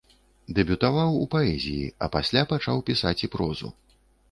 Дэбютаваў у паэзіі, а пасля пачаў пісаць і прозу.